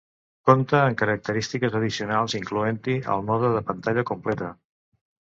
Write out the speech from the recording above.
Compta amb característiques addicionals, incloent-hi el mode de pantalla completa.